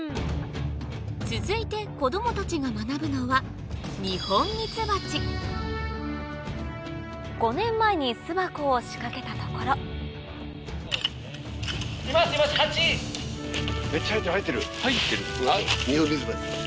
続いて子供たちが学ぶのはに巣箱を仕掛けたところ入ってる。